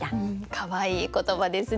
かわいい言葉ですね。